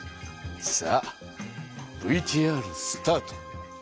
さあＶＴＲスタート。